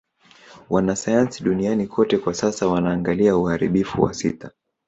Wanasayansi duniani kote kwa sasa wanaangalia uharibifu wa sita